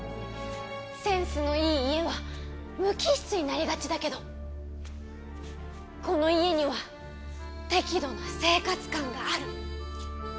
センスのいい家は無機質になりがちだけどこの家には適度な生活感がある。